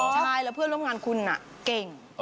ใช่แล้วเพื่อนร่วมงานคุณเก่ง